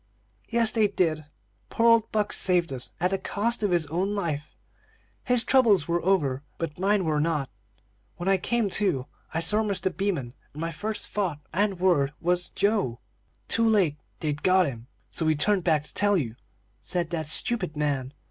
"Yes, they did. Poor old Buck saved us, at the cost of his own life. His troubles were over, but mine were not; for when I came to, I saw Mr. Beaman, and my first thought and word was 'Joe?'" "'Too late they'd got him, so we turned back to tell you,' said that stupid man.